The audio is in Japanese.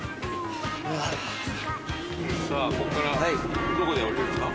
さあこっからどこで降りるんですか？